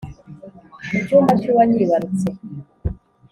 mu cyumba cy’uwanyibarutse